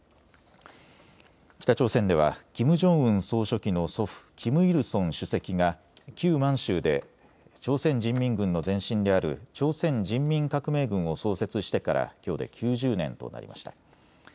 北朝鮮ではキム・ジョンウン総書記の祖父、キム・イルソン主席が旧満州で朝鮮人民軍の前身である朝鮮人民革命軍を創設してからきょうで９０年となりました。